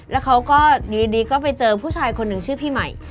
แล้วเขาก็อยู่ดีก็ไปเจอผู้ชายคนหนึ่งชื่อพี่ใหม่